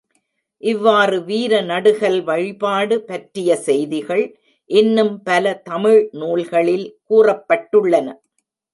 இவ்வாறு வீர நடுகல் வழிபாடு பற்றிய செய்திகள் இன்னும் பல தமிழ் நூல்களில் கூறப்பட்டுள்ளன.